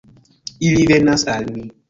Ili venas al ni.